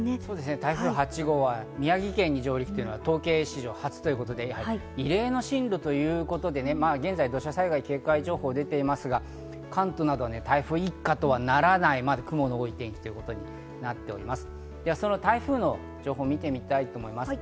台風８号は宮城県に上陸というのは、統計史上初ということで、異例の進路ということで現在、土砂災害警戒情報が出ていますが関東などは台風一過とならない雲の多い天気となっております。